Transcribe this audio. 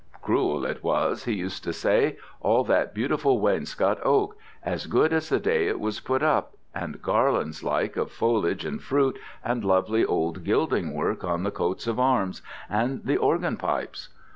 Crool it was, he used to say: all that beautiful wainscot oak, as good as the day it was put up, and garlands like of foliage and fruit, and lovely old gilding work on the coats of arms and the organ pipes.